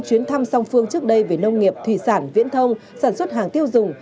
chuyến thăm song phương trước đây về nông nghiệp thủy sản viễn thông sản xuất hàng tiêu dùng